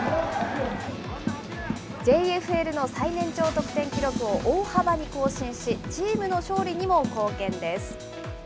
ＪＦＬの最年長得点記録を大幅に更新し、チームの勝利にも貢献です。